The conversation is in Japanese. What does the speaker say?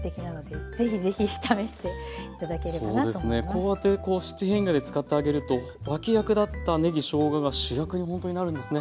こうやって七変化で使ってあげると脇役だったねぎ・しょうがが主役にほんとになるんですね。